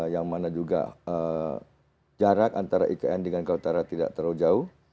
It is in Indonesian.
yang mana juga jarak antara ikn dengan kaltara tidak terlalu jauh